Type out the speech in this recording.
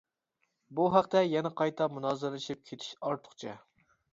بۇ ھەقتە يەنە قايتا مۇنازىرىلىشىپ كېتىش ئارتۇقچە.